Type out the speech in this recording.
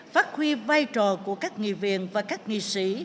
phát huy vai trò của các nghị viện và các nghị sĩ